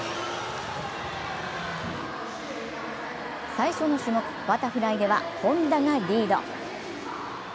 最初の種目、バタフライでは本多がリード。